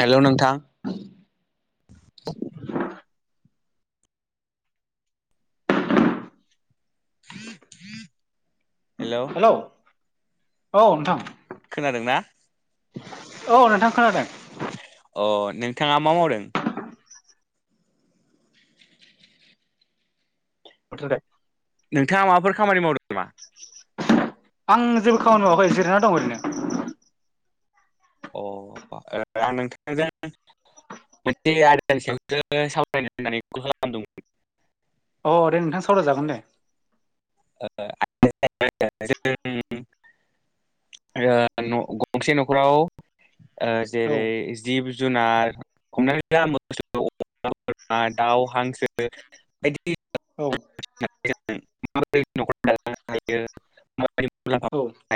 Hello नोंथां hello औ नोंथां खोनादोंना? औ नोंथां खोनादों अ नोंथाङा मा मावदों [unintelligible] नोंथाङा माबाफोर खामानि मावदों नामा? आं जेबो खामानि मावाखै जिरायना दं ओरैनो अ आं नोंथांजों मोनसे आयदानि सायावसो सावरायनो होन्नानै कल खालामदोंमोन। अ ओरै नोंथां सावराय जागोन दे [unintelligible] ओ ग नं गंसे नखराव ओ औ जेरै जिब जुनार हमनानै जा मोसौ बोरमा दाउ हांसो बायदि औ [unintelligible] मुलाम्फा औ मोननो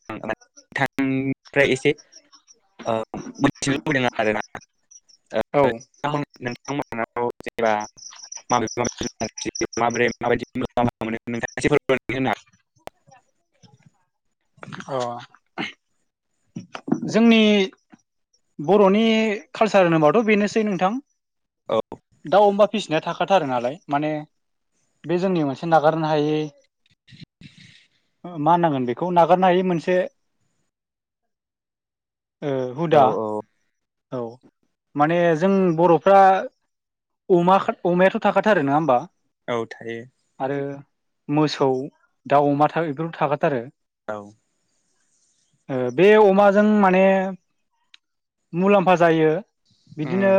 [unintelligible] [unintelligible] औ [unintelligible] जेनेबा [unintelligible] अ जोंनि बर'नि कालसार होनोबाथ बेनोसै नोंथां होनो दाउ अमा फिसिनाया थाखाथार नालाय माने बे जोंनि मोनसे नागारनो हायै मा नांगोन बेखौ नागारनो हायायो मोनसे ओ हागोन हुदा औ औ औ माने जों बर'फ्रा अमा अमायाथ' थाखाथार आरो नङा होमबा औ थायो आरो मोसौ दाउ अमा था‌ बेफोरबो थाखाथारो औ ओ बे अमाजों माने मुलाम्फा जायो। उम बिदिनो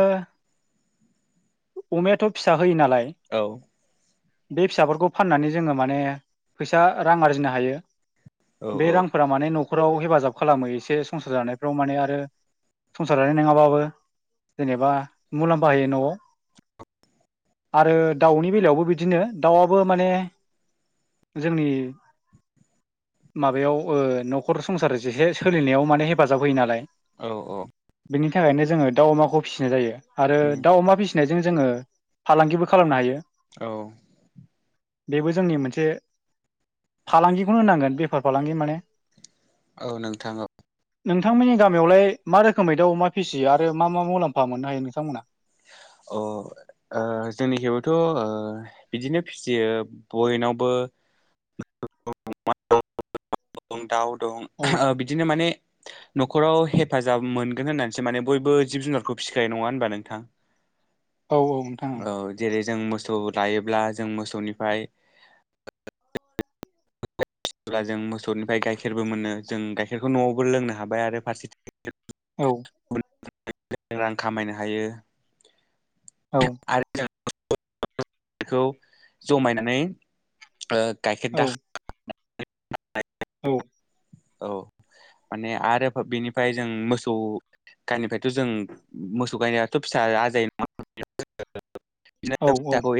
अमायाथ फिसा होयो नालाय औ बे फिसाफोरखौ फाननानै जोङो माने फैसा रां आरजिनो हायो। उम औ बे रांफोरा माने नखराव हेफाजाब खालामो एसे संसार जानायफ्राव माने आरो संसार जानाय नङाबाबो जेनेबा मुलाम्फा होयो नआव आरो दाउनि बेलायावबो बिदिनो दाउआबो माने जोंनि माबायाव ओ न'खर संसार जेहे सोलिनायाव माने हेफाजाब होयो नालाय। औ-औ। बेनि थाखायनो जोङो दाउ अमाखौ फिसिनाय जायो आरो उम दाउ अमा फिसि नायजों जोङो फालांगिबो खालामनो हायो। औ। बेबो जोंनि मोनसे फालांगिखौनो होनांगोन बेफार फालांगि माने। औ नोंथां औ। नोंथांमोननि गामियावलाय मा रोखोमै दाउ अमा फिसियो आरो मा-मा मुलाम्फा मोननो हायो नोंथांमोना। [unintelligible] अ ओ जोंनिखेबैथ' ओ बिदिनो फिसियो बयनावबो। दं दाउ औ दं बिदिनो माने। न'खराव हेफाजाब मोनगोन होननानैसो माने बयबो जिब जुनारखौ फिसिखायो नङा होनबा नोंथां। [unintelligible] औ औ नोंथां ओं। औ जेरै जों मोसौ लायोब्ला जों मोसौनिफाय। [inaudible] [unintelligible] जों मोसौनिफ्राय गाइखेरबो मोनो जों गाइखेरखौ न'आवबो लोंनो हाबाय आरो फारसेथिं। औ [unintelligible] रां खामायनो हायो। औ [unintelligible] खौ जमायनानै। ओ गाइखेर औ दाख औ। औ माने आरो बेनिफाय जों मोसौ। गायनिफायथ' जों मोसौ गायनायाथ' फिसा। [inaudible] [unintelligible] औ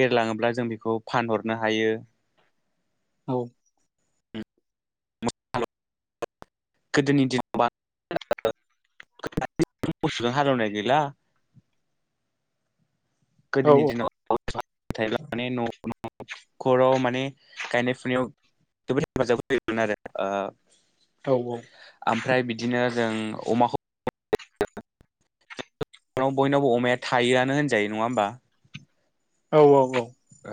एरलाङोब्ला जों बेखौ फानहरनो हायो। औ। [unintelligible] गोदोनि दिनाव। [inaudible] [unintelligible] हालोवनाय गैला। औ गोदोनि दिनाव [unintelligible] न' [unintelligible] खराव माने गायनाय फुनायाव जोबोद हेफाजाब होयोमोन आरो ओ। औ-औ। ओमफ्राय बिदिनो जों अमाखौ। [unintelligible] बयनावबो अमाया थायोआनो होनजायो नङा होमबा। औ-औ-औ। ओ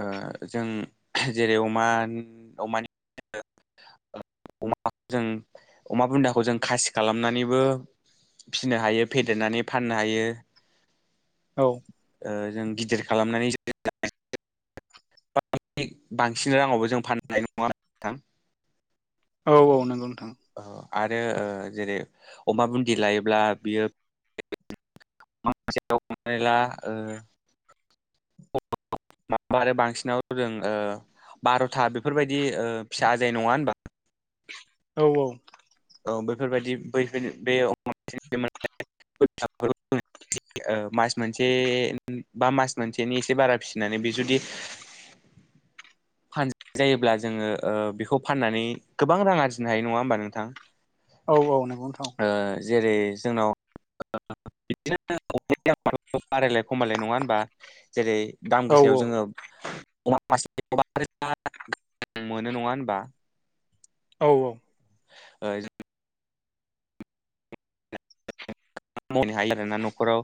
जों जेरै- अमा अमानि। [inaudible] [unintelligible] जों अमा बुन्दाखौ जों खासि खालामनानैबो। फिनो हायो फेदेरनानै फाननो हायो। औ। ओ जों गिदिर खालामनानै। [inaudible] [unintelligible] बांसिन राङावबो जों फाननाय नङा होमबा नोंथां। औ-औ नंगौ। नोंथां आरो ओ जेरै- अमा बुन्दि लायोब्ला बियो। [inaudible] [unintelligible] हमनानै ला ओ। माबा आरो बांसिनाव जों ओ। बार'था बेफोरबायदि ओ फिसा आजायो नङा होनबा। औ-औ। औ बैफोरबायदि बैफोर बे। [inaudible] [unintelligible] ओ मास मोनसे बा मास मोनसेनि एसे बारा फिसिनानै बे जुदि। [unintelligible] जायोब्ला जोङो ओ बेखौ फाननानै गोबां रां आरजिनो हायो नङा होमबा नोंथां। औ-औ नोंगौ नोंथां औ। ओ जेरै- जोंनाव। बिदिनो बारायलाय खमायलाय नङा होनबा जेरै दाम औ गोसायाव औ जोङो [unintelligible] औ औ। ओइ जों। मावनो हायो आरोोना न'खराव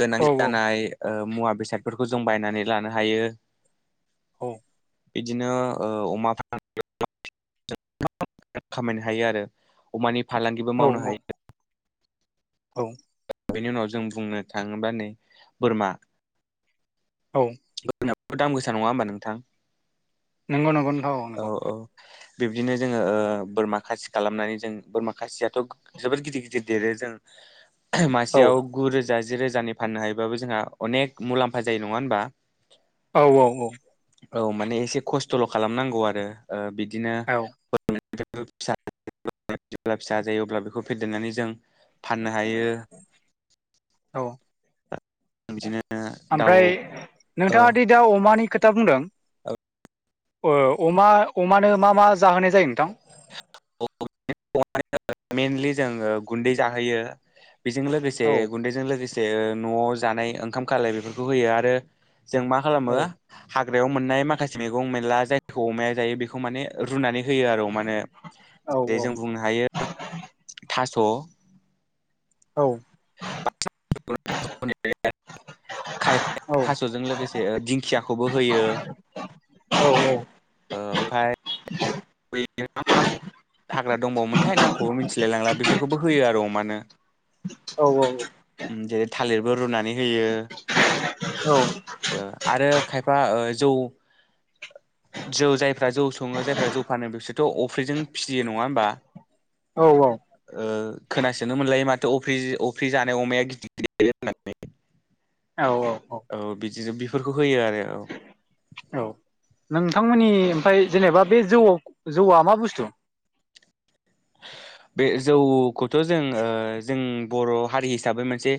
गोनां जानाय ओ मुवा बेसादफोरखौ जों बायनानै लानो हायो। औ। इदिनो ओ अमा [unintelligible] खामायनो हायो आरो अमानि फालांगिबो मावनो हायो। औ। बेनि उनाव जों बुंनो थाङोबा नै बोरमा। औ। एफा दाम गोसा नङा होमबा नोंथां। नंगौ नंगौ नोंथ'औ औ नंगौ। औ बिब्दिनो जोङो ओ बोरमा खासि खालामनानै जों बोरमा खासियाथ' जोबोद गिदिर गिदिर देरो जों। ओ-हो औ मासेयाव गुरोजा जिरोजानि फाननो हायोबाबो जोंहा अनेक मुलाम्फा जायो नङा होनबा। औ औ औ। औ माने एसे खस्थ'ल' खालामनांगौ ओ बिदिनो। औ [inaudible] फाननो हायो। औ बिदिनो दाउ ओमफ्राय नोंथाङादि ओ गाव अमानि खोथा बुंदों। ओअमा अमानो मा मा जाहोनाय जायो नोंथां। [inaudible] मेनलि जोङो गुन्दै जाहोयो। बेजों लोगोसे औ गुन्दैजों लोगोसे न'आव जानाय ओंखाम खालाय बेफोरखौ होयो आरो। जों मा खालामो औ हाग। हाग्रायाव मोननाय माखासे मैगं मेरला जायखौ अमाया जायो बेखौ माने रुनानै होयो आरो माने औ जे जों बुंनो हायो थास'। औ। [unintelligible] [inaudible] औ खायफाया थास'जों लोगोसे दिंखियाखौबो होयो। औ औ ओमफ्राय। [inaudible] हाग्रा दंबावोमोनथाय नामखौबो मिथिलाय लांला बेफोरखौबो होयो आरो अमानो। औ औ। जेरै थालिरबो रुनानै होयो ओ आरो खायफा। आ जौ जौ सङो जौ। फानो बिसोरथ' अफ्रिजों फिसियो नङा होमबा खोनासो मोनलायो माथो अफ्रि अफ्रि जानाय अमाया गिदिर गिदिर देरो होनानै औ औ जों बिदिनो बेफोरखौ होयो आरो औ औ नोंथांमोननि ओमफ्राय जेनेबा बे जौआव जौआ मा बुस्थु [inaudible] जौखौथ' जों ओ जों बर' हारि हिसाबै मोनसे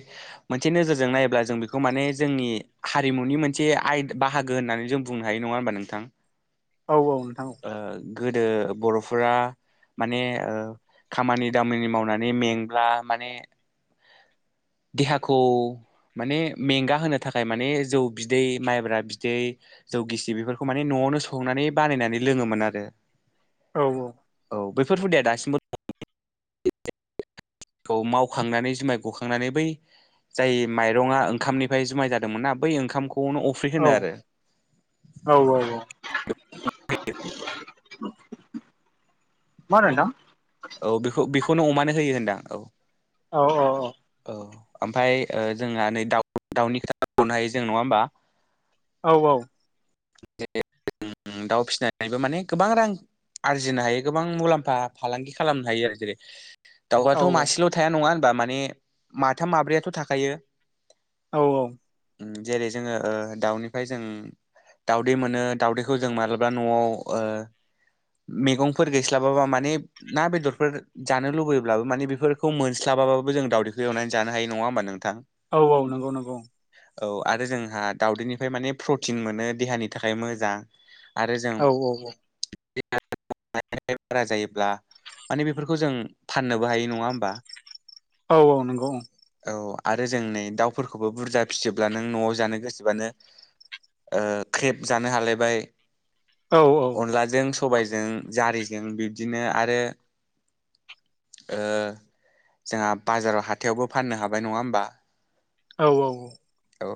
मोनसे नोजोरजों नायोब्ला ज जों बेखौ माने जोंनि हारिमुनि मोनसे आय बाहागो होननानै जों बुंनो हायो नङा होनबा नोंथां औ औ नोंथां औ ओ गोदो बर'फोरा माने औव खामानि दामानि मावनानै मेंब्ला माने देहाखौ माने मेंगा होनो थाखाय माने जौ बिदै माइब्रा बिदै जौ गिसि बेफोरखौ माने न'आव न'आवनो संनानै बानायनानै लोङोमोन आरो औ औ। बेफोर हुदाया दासिमबो [unintelligible] खौ मावखांनानै जुमाय ग नानै बै जाय माइंरंआ ओंखामनिफ्राय जुमाय जादोंमो ना बै ओंखाम ख औ औ औ औ। मार ओन्दों थां औ बेखौ बेखौनो अमानो होयो होनदां औ। औ औ औ। औ ओमफ्राय जोंहा नै दाउ दाउनि खोथा बुंनो हायो जों नङा होमबा औ औ। [inaudible] दाउ फिसिनानैबो माने गोबां रां आरजिनो हायो गोबां मुलाम्फा फालांगि खालामनो हायो आरो जेरै औ दाउआथ' मासेल' थाया नङा होनबा माने माथाम माब्रैयाथ' थाखायो औ औ जेरै जोङो ओ दाउनिफ्राय जों दाउदै मोनो दाउदैखौ जों मालाबा न'आव ओह मेगंफोर गैस्लाबाबा माने ना बेदरफोर जानो लुबैयोब्लाबो माने बेफोरखौ मोनस्लाब बाबाबो जों दावदैखौ एनानैनो जानो हायो नङा होमबा नों औ औ नंगौ नंगौ। औ आरो जोंहा दावउदैनिफ्राय माने प्रटिन मोनो देहानि थाखाय मोजां। औ औ औ [unintelligible] [unintelligible] बारा जायोब्ला माने बेफोरखौ जों फाननोबो हायो नङा होमबा? औ औ नंगौ औ। औ आरो जों नै दाउफोरखौबो बुरजा फिजोबब्ला नों न'आव जानो गोसोबानो ओ ख्रेब जानो हालायबाय। औ अनलाजों स सबायजों जारिजों बिब्दिनो आरो ओ जोंहा बाजाराव हाथायावबो फाननो हाबाय नङा औ औ औ औ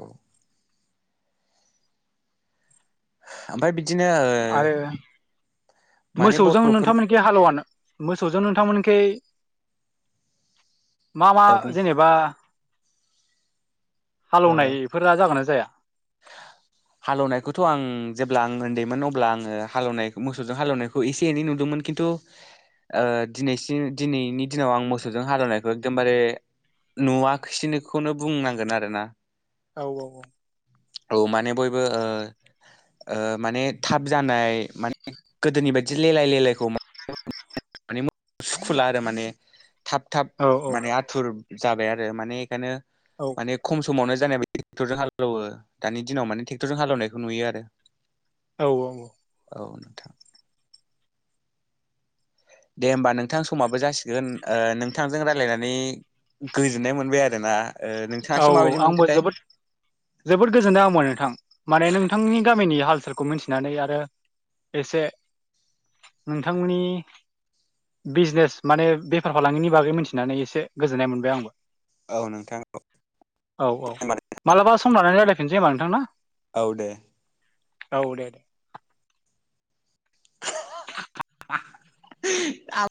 ओमफ्राय बिदिनो ओ आरो [inaudible] माने मोसौजों बर'फोर नोंथांमोनखि हालौवानो मोसौजों नोंथांमोनखै [inaudible] मा मा ओ बुं जेनेबा ओ हालेवनायफोरा जागोन ना जाया? [inaudible] हालेवनायखौथ' आं जेब्ला आं उन्दैमोन अब्ला आङो हालौवनाय मोसौजों हालौनायखौ एसे एनै नुदोंमोन। खिन्थु ओहय दिनैसिम दिनैनि दिनाव आं मोसौजों हालेवनायखौ एकदमबारे नुवाखैसैनोखौनो बुंनांगोन आरो ना। औ औ औ औ माने बयबो ओ ओ माने थाब जानाय माने गोदोनि बायदि लेलाय लेलायखौ [inaudible] [inaudible] सुखुला आरो माने थाब थाब औ माने आथुर जाबाय आरो माने खायनो औ माने खम समावनो जानाय बे टेक्टरजों हालेवो दानि दिनाव माने ट्रेक्टरजों हालेनायखौ नुयो आरो औ औ औ औ नोंथां दे होमबा नोंथां समाबो जासिगोन ओ नोंथांजों रायजलायनानै गोजोननाय मोनबाय आरोना। ओ औ नोंथाङासो औ माबायदि आंबो मोनखोथाय जोबोद, जोबोद गोजोन्दों आंबो नोंथां माने नोंथांनि गामिनि हाल फोरखौ मिथिनानै आरो एसे नोंथांमोननि बिजनेस माने बेफार फालांगिनि बागै मिथिनानै एसे गोजोननाय मोनबाय आंबो। औ नोंथां। औ औ मालाबा सम लानानै रायलायफिननोसै होमबा नोंथां ना। औ दे औ दे दे आ [unintelligible]